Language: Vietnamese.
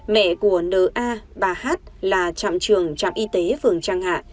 mẹ của nna bà hát là trạm trường trạm y tế phường trang hạ